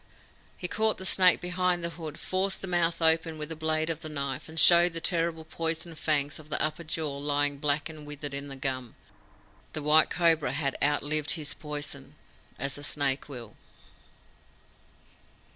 He caught the snake behind the hood, forced the mouth open with the blade of the knife, and showed the terrible poison fangs of the upper jaw lying black and withered in the gum. The White Cobra had outlived his poison, as a snake will.